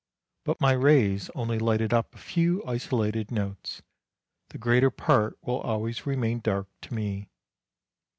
— But my rays only lighted up a few isolated notes, the greater part will always remain dark to me.